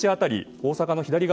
大阪の左側